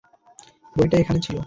বইটা এখানে ছিল।